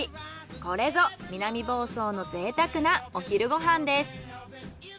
これぞ南房総の贅沢なお昼ご飯です。